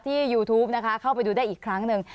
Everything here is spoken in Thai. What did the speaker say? ยูทูปนะคะเข้าไปดูได้อีกครั้งหนึ่ง